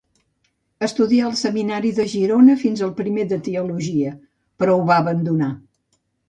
Estudià al seminari de Girona fins a primer de teologia, però ho va abandonar.